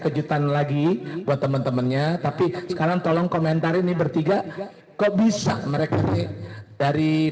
kejutan lagi buat temen temennya tapi sekarang tolong komentar ini bertiga kok bisa mereka nih dari